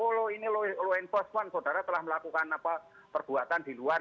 oh ini lo invest one saudara telah melakukan perbuatan di luar